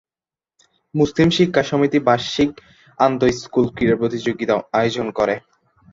মুসলিম শিক্ষা সমিতি বার্ষিক আন্তঃ স্কুল ক্রীড়া-প্রতিযোগিতা আয়োজন করে।